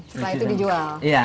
setelah itu dijual